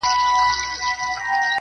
غوږ سه ورته,